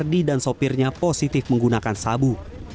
dan sopirnya positif menggunakan sabu